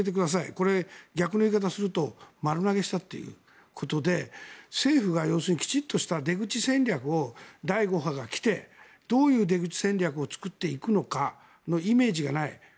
これ、逆の言い方をすると丸投げしたということで政府が要するにきちんとした出口戦略を第５波が来てどういう出口戦略を作っていくのかのイメージがない。